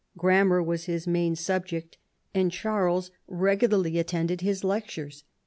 Gram mar was his main subject, and Charles regularly at OLD AGE. 289 tended his lectures.